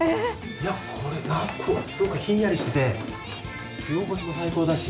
いやこれすごくひんやりしてて着心地も最高だし。